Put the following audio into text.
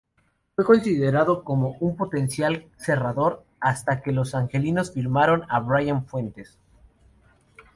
Fue considerado como un potencial cerrador hasta que los Angelinos firmaron a Brian Fuentes.